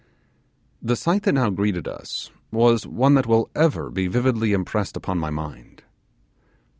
The sight that now greeted us was one that will ever be vividly impressed upon my mind.